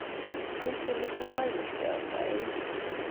Is The Little Irish Girl playing